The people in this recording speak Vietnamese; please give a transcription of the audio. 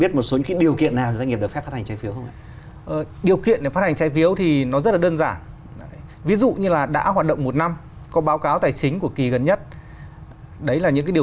tức là phát hành trái phiếu là một khoản vai